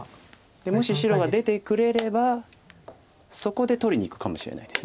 もし白が出てくれればそこで取りにいくかもしれないです。